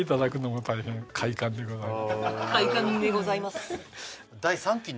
快感でございます